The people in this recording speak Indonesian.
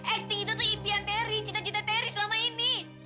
acting itu tuh impian terry cita cita terry selama ini